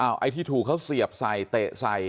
ไอ้ที่ถูกเขาเสียบใส่เตะใส่